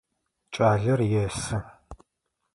Кӏалэр есы.